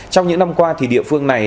trong những năm qua thì địa phương này